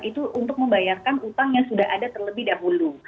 itu untuk membayarkan utang yang sudah ada terlebih dahulu